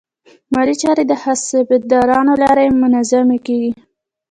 مالي چارې د حسابدارانو له لارې منظمې کېږي.